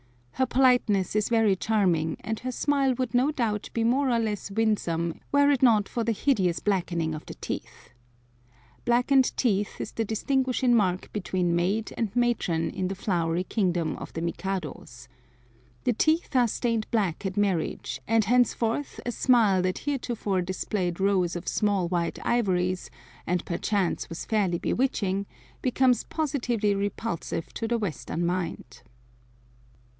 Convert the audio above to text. Her politeness is very charming, and her smile would no doubt be more or less winsome were it not for the hideous blackening of the teeth. Blackened teeth is the distinguishing mark between maid and matron in the flowery kingdom of the Mikados. The teeth are stained black at marriage, and henceforth a smile that heretofore displayed rows of small white ivories, and perchance was fairly bewitching, becomes positively repulsive to the Western mind.